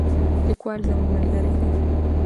لیکوال زموږ ملګری دی.